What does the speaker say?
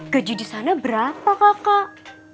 gaji di sana berapa kakak